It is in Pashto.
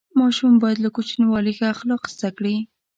ماشوم باید له کوچنیوالي ښه اخلاق زده کړي.